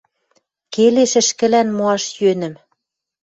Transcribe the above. Келеш ӹшкӹлӓн моаш йӧнӹм